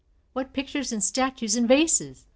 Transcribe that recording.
What pictures and statues and vases!